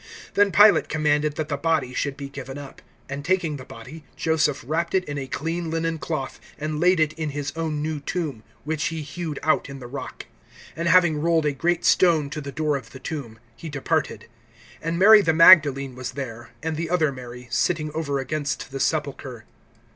Then Pilate commanded that the body should be given up. (59)And taking the body, Joseph wrapped it in a clean linen cloth, (60)and laid it in his own new tomb, which he hewed out in the rock. And having rolled a great stone to the door of the tomb, he departed. (61)And Mary the Magdalene was there, and the other Mary, sitting over against the sepulchre.